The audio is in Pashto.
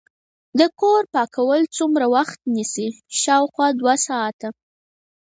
د کور پاکول څومره وخت نیسي؟ شاوخوا دوه ساعته